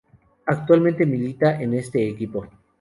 Actualmente milita en este equipo.